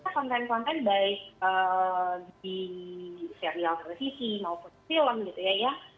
konten konten baik di serial televisi maupun film gitu ya